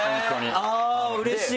あぁうれしい。